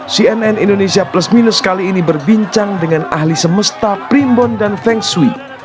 cnn indonesia plus minus kali ini berbincang dengan ahli semesta primbon dan feng shui